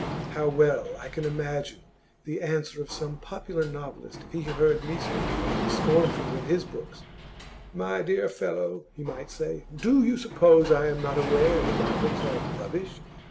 How well I can imagine the answer of some popular novelist if he heard me speak scornfully of his books. "My dear fellow," he might say, "do you suppose I am not aware that my books are rubbish?